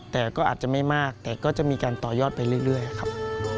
แต่ก็อาจจะไม่มากแต่ก็จะมีการต่อยอดไปเรื่อยครับ